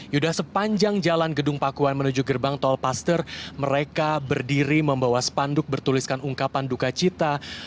yuda sepanjang jalan gedung pakuan menuju gerbang tol paster mereka berdiri membawa spanduk bertuliskan ungkapan duka cita